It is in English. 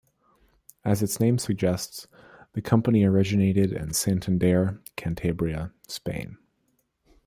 As its name suggests, the company originated in Santander, Cantabria, Spain.